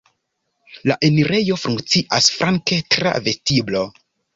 La enirejo funkcias flanke tra vestiblo.